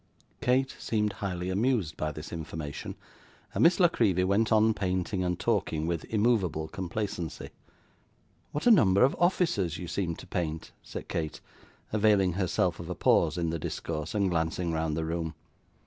Kate seemed highly amused by this information, and Miss La Creevy went on painting and talking, with immovable complacency. 'What a number of officers you seem to paint!' said Kate, availing herself of a pause in the discourse, and glancing round the room.